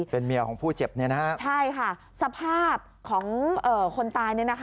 เป็นเมียของผู้เจ็บใช่ค่ะสภาพของคนตาย